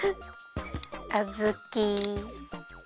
あずき。